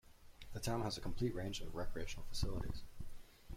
The town has a complete range of recreational facilities.